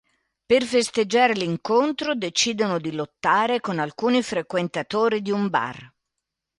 Per festeggiare l'incontro decidono di lottare con alcuni frequentatori di un bar.